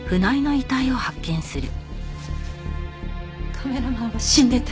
カメラマンは死んでた。